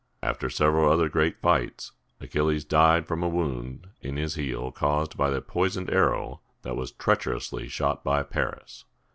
After several other great fights, Achilles died from a wound in his heel caused by a poisoned arrow that was treacherously shot by Paris.